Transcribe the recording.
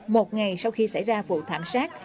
một ngày sau khi xảy ra vụ thảm sát